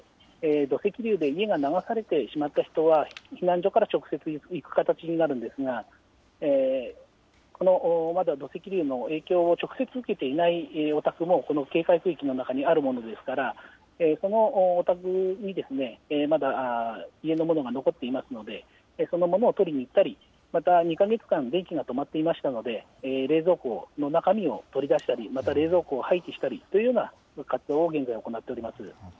土石流で家が流されてしまった人は避難所から直接行く形になるんですが、土石流の影響を直接受けていないお宅も、この警戒区域の中にあるものですから、そのお宅にまだ家のものが残っていますので、そのものを取りに行ったり、また２か月間、電気が止まっていましたので、冷蔵庫の中身を取り出したり、また冷蔵庫を廃棄したりというような活動を現在、行っております。